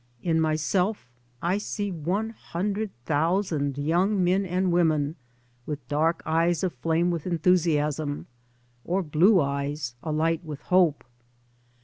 In myself I see one hundred thousand young men and women with dark eyes aflame with enthusiasm, or blue eyes alight with hope.